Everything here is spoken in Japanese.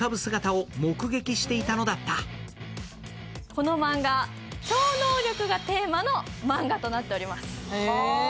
このマンガ、超能力がテーマとなっております。